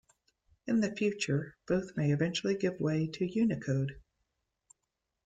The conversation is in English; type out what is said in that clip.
In the future, both may eventually give way to Unicode.